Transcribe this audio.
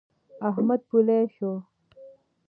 احمد پولۍ شو.